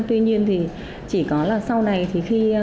tuy nhiên thì chỉ có là sau này thì khi